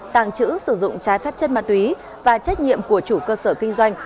tàng trữ sử dụng trái phép chất ma túy và trách nhiệm của chủ cơ sở kinh doanh